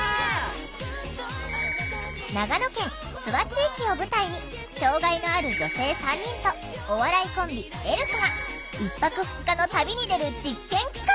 長野県諏訪地域を舞台に障害のある女性３人とお笑いコンビエルフが１泊２日の旅に出る実験企画！